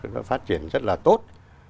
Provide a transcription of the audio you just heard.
nó phát triển rất là tốt